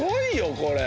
これ。